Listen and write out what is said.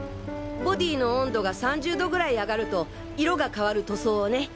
ボディーの温度が３０度ぐらい上がると色が変わる塗装をね。